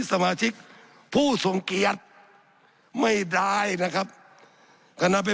สับขาหลอกกันไปสับขาหลอกกันไป